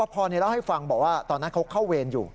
พอเล่าให้ฟังบอกว่าตอนนั้นเขาเข้าเวรอยู่